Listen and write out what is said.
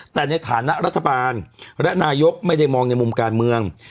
แต่ในฐานะรัฐบาลและนายกไม่ได้มองในมุมการเมือง